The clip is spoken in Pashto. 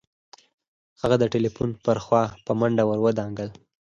هغه د ټليفون پر خوا په منډه ور ودانګل.